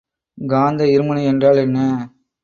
காந்த இருமுனை என்றால் என்ன?